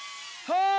はい！